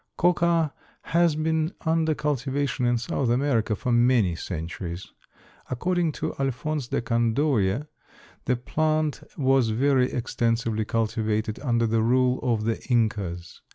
Coca has been under cultivation in South America for many centuries. According to A. de Caudolle the plant was very extensively cultivated under the rule of the Incas.